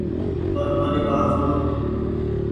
پر مآري وآت سوڻ